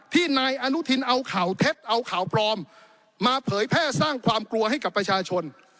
นายอนุทินเอาข่าวเท็จเอาข่าวปลอมมาเผยแพร่สร้างความกลัวให้กับประชาชน